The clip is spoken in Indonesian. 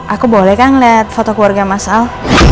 aku boleh kan liat foto keluarganya mas al